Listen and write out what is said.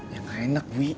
ya gak enak wi